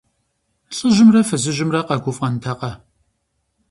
ЛӀыжьымрэ фызыжьымрэ къэгуфӀэнтэкъэ?